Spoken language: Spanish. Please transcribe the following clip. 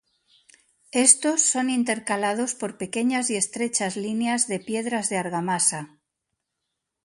Estos son intercalados por pequeñas y estrechas líneas de piedras de argamasa.